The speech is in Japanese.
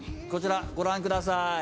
こちらご覧ください。